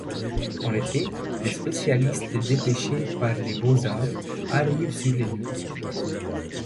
En été, des spécialistes dépêchés par les Beaux-Arts arrivent sur les lieux.